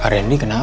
pak randy kenapa ya